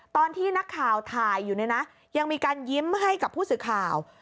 ตอนที่นักข่าวถ่ายอยู่เนี่ยนะยังมีการยิ้มให้กับผู้สื่อข่าว